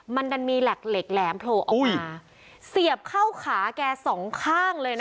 มันดันมีแหลกเหล็กแหลมโผล่ออกมาเสียบเข้าขาแกสองข้างเลยนะ